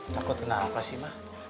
takut kenapa sih ma